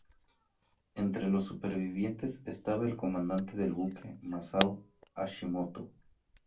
Entre los supervivientes estaba el comandante del buque, Masao Hashimoto.